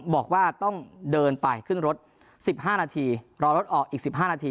บอกว่าต้องเดินไปขึ้นรถ๑๕นาทีรอรถออกอีก๑๕นาที